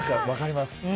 分かります。